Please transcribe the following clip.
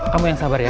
kamu yang sabar ya